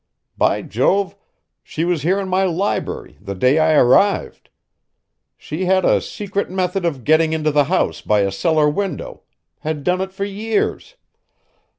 By Jove! she was here in my library, the day I arrived. She had a secret method of getting into the house by a cellar window, had done it for years.